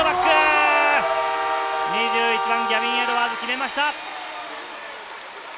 ２１番、ギャビン・エドワーズが決めました。